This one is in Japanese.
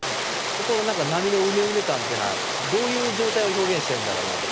この波のウネウネ感っていうのはどういう状態を表現してるんだろうなとか。